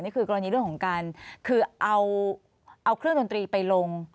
กรณีเรื่องของการคือเอาเครื่องดนตรีไปลง